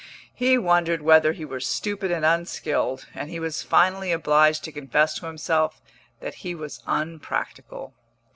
He wondered whether he were stupid and unskilled, and he was finally obliged to confess to himself that he was unpractical.